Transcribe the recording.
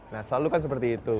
nah selalu kan seperti itu